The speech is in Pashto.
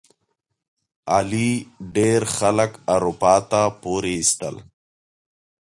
علي ډېر خلک اروپا ته پورې ایستل.